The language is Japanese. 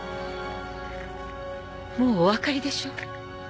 もうお分かりでしょ？